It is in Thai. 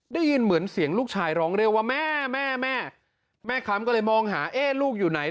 ได้ยินเหมือนเสียงลูกชายร้องเรียกว่าแม่แม่แม่แม่ค้ำก็เลยมองหาเอ๊ะลูกอยู่ไหน